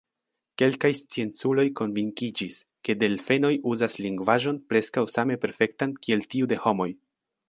Kelkaj scienculoj konvinkiĝis, ke delfenoj uzas lingvaĵon preskaŭ same perfektan, kiel tiu de homoj.